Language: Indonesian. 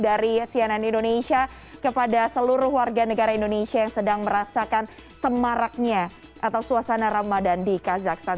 dari cnn indonesia kepada seluruh warga negara indonesia yang sedang merasakan semaraknya atau suasana ramadan di kazakhstan